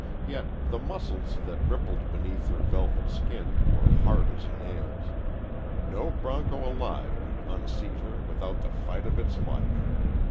Yet the muscles that rippled beneath her velvet skin were hard as nails. No bronco alive could unseat her without the fight of its life.